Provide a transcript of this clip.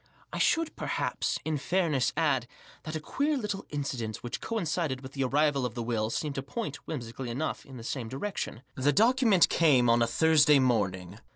I should, perhaps, in fairness add* that a queer little incident which coincided with the arrival of the will, seemed to point, whimsically enough* in the same direction. The document came on a Thursday morning.